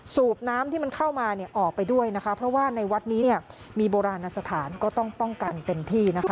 สูบน้ำที่มันเข้ามาเนี่ยออกไปด้วยนะคะเพราะว่าในวัดนี้เนี่ยมีโบราณสถานก็ต้องป้องกันเต็มที่นะคะ